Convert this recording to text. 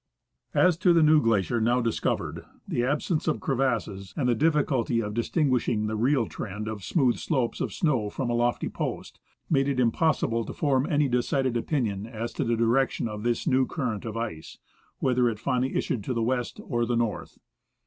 As to the new glacier now discovered, the absence of crevasses, and the difficulty 158 THE ASCENT OF MOUNT ST. ELIAS of distinguishing the real trend of smooth slopes of snow from a lofty post, made it impossible to form any decided opinion as to the direction of this new current of ice — whether it finally issued to the west or the north.